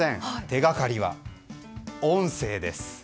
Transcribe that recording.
手がかりは音声です。